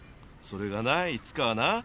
それがないつかはな